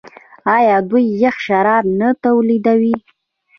آیا دوی یخ شراب نه تولیدوي؟